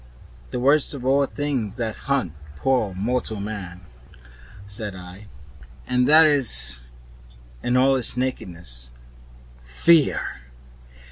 "The worst of all the things that haunt poor mortal men," said I; "and that is, in all its nakedness 'Fear!